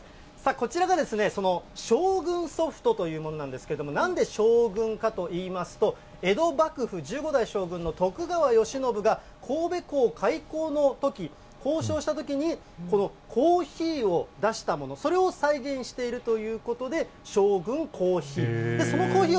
こちらが将軍ソフトというものなんですが、なんで将軍かといいますと、江戸幕府、１５代将軍の徳川慶喜が神戸港開港のとき、交渉したときに、このコーヒーを出したもの、それを再現しているということで、将軍コーヒー、で、そのコーヒー